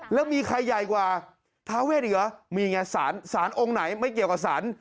แล้วมีใครใหญ่กว่าท้าเว่ดีกว่ามีไงศาลศาลองค์ไหนไม่เกี่ยวกับศาล